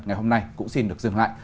ngày hôm nay cũng xin được dừng lại